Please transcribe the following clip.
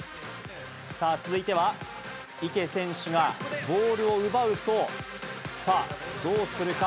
さあ、続いては池選手がボールを奪うと、さあ、どうするか。